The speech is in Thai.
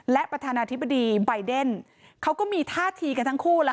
และประธานาธิบดีใบเดนเขาก็มีท่าทีกันทั้งคู่แล้ว